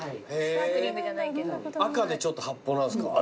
赤でちょっと発泡なんすか？